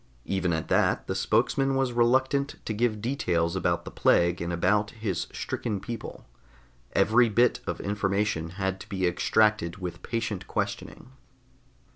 Even at that the spokesman was reluctant to give details about the plague and about his stricken people. Every bit of information had to be extracted with patient questioning.